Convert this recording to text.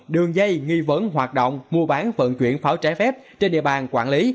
đường dây nghi vấn hoạt động mua bán vận chuyển pháo trái phép trên địa bàn quản lý